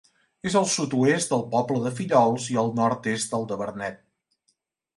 És al sud-oest del poble de Fillols i al nord-est del de Vernet.